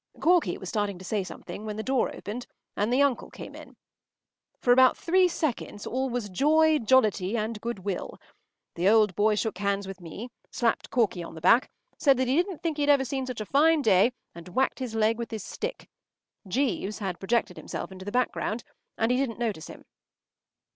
” Corky was starting to say something when the door opened, and the uncle came in. For about three seconds all was joy, jollity, and goodwill. The old boy shook hands with me, slapped Corky on the back, said that he didn’t think he had ever seen such a fine day, and whacked his leg with his stick. Jeeves had projected himself into the background, and he didn’t notice him.